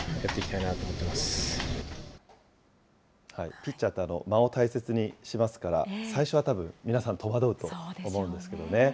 ピッチャーって間を大切にしますから、最初はたぶん、皆さん戸惑うと思うんですけどね。